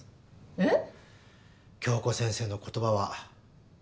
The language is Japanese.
えっ？